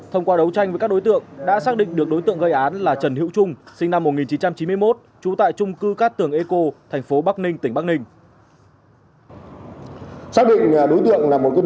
thông qua đấu tranh với các đối tượng đã xác định được đối tượng gây án là trần hữu trung sinh năm một nghìn chín trăm chín mươi một trú tại trung cư cát tường eco thành phố bắc ninh tỉnh bắc ninh